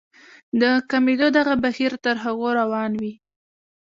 د کمېدو دغه بهير تر هغو روان وي.